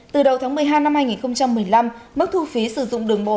từ đầu tháng một mươi hai năm hai nghìn một mươi năm mức thu phí sử dụng đường bộ